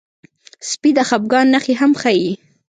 سپي د خپګان نښې هم ښيي.